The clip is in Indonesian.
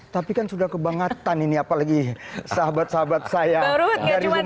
tapi kan sudah kebangetan ini apalagi sahabat sahabat saya dari rumah sebelah